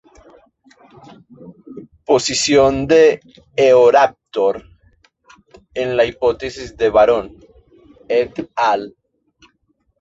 Posición de "Eoraptor" en la hipótesis de Baron "et al.".